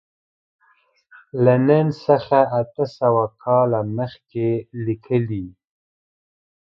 له نن څخه اته سوه کاله مخکې لیکلی.